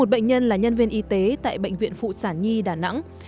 một bệnh nhân là nhân viên y tế tại bệnh viện phụ sản nhi đà nẵng